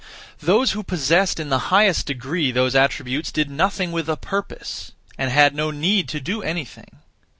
(Those who) possessed in the highest degree those attributes did nothing (with a purpose), and had no need to do anything.